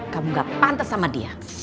kamu gak pantas sama dia